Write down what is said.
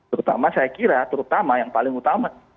terutama saya kira terutama yang paling utama